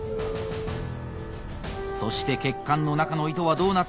そして血管の中の糸はどうなっているのか。